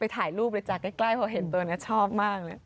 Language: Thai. ถ่ายรูปเลยจ้ะใกล้พอเห็นตัวนี้ชอบมากเลย